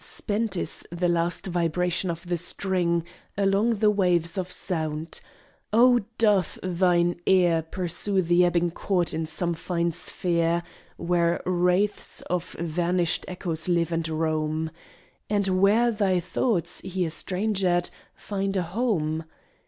Spent is the last vibration of the string Along the waves of sound. Oh, doth thine ear Pursue the ebbing chord in some fine sphere, Where wraiths of vanished echoes live and roam, And where thy thoughts, here strangered, find a home?